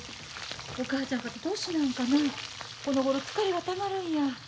お母ちゃんかて年なんかなこのごろ疲れがたまるんや。